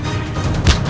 aku akan menang